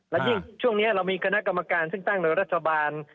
และยิ่งช่วงนี้เรามีคณะกรรมการซึ่งตั้งโดยรัฐบาล